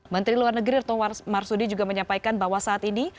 menteri luar negeri retno marsudi juga menyampaikan bahwa saat ini